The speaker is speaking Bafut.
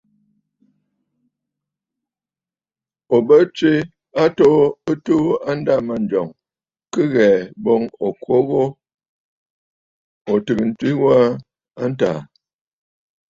Ò bə tswe a atoo ɨ tuu a ndâmanjɔŋ kɨ ghɛ̀ɛ̀ boŋ ò kwo ghu ò tɨgə̀ ntswe ghu a ntàà.